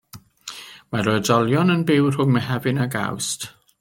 Mae'r oedolion yn byw rhwng Mehefin ac Awst.